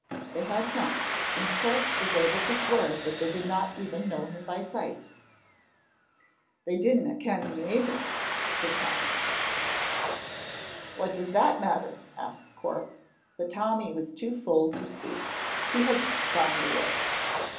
They had not, and Corp was able to swear that they did not even know him by sight. "They dinna ken me either," said Tommy. "What does that matter?" asked Corp, but Tommy was too full to speak. He had "found a way."